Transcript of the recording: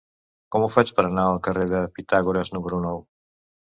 Com ho faig per anar al carrer de Pitàgores número nou?